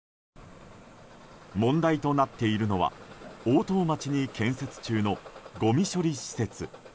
問題となっているのは大任町に建設中のごみ処理施設。